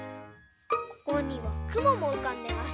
ここにはくももうかんでます。